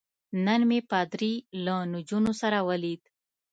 نن مې پادري له نجونو سره ولید.